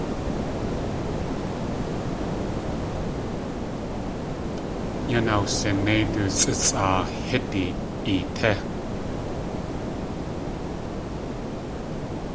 Yan awsinéi du sʼísʼaa hídi eetí.